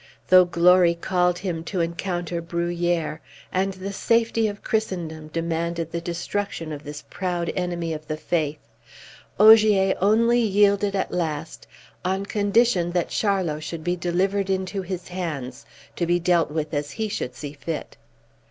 Though glory called him to encounter Bruhier, and the safety of Christendom demanded the destruction of this proud enemy of the faith, Ogier only yielded at last on condition that Charlot should be delivered into his hands to be dealt with as he should see fit.